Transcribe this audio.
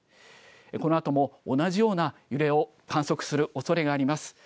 このあとも同じような揺れを観測するおそれがあります。